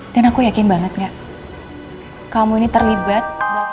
dan aku yakin banget gak kamu ini terlibat